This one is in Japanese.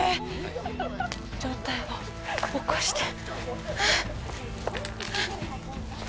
上体を起こして。